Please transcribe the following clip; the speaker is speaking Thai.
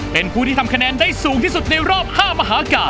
เป็นผู้ที่ทำคะแนนได้สูงที่สุดในรอบ๕มหากาศ